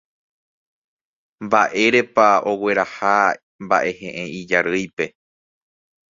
Mba'érepa ogueraha mba'ehe'ẽ ijarýipe.